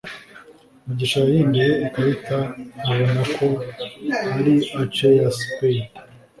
mugisha yahinduye ikarita abona ko ari ace ya spade